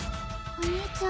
お兄ちゃん！